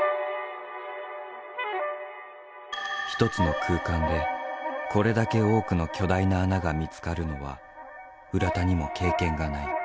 一つの空間でこれだけ多くの巨大な穴が見つかるのは浦田にも経験がない。